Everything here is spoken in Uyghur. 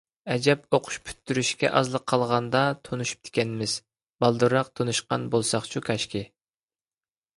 ئەجەب ئوقۇش پۈتتۈرۈشكە ئازلا قالغاندا تونۇشۇپتىكەنمىز، بالدۇرراق تونۇشقان بولساقچۇ كاشكى!